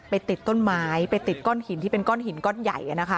ติดต้นไม้ไปติดก้อนหินที่เป็นก้อนหินก้อนใหญ่